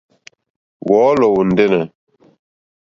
Wɔ̌lɔ̀ wɔ̀ ndɛ́nɛ̀.